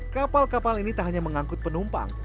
kapal kapal ini tak hanya mengangkut penumpang